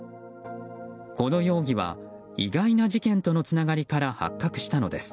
この容疑は意外な事件とのつながりから発覚したのです。